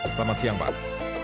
selamat siang pak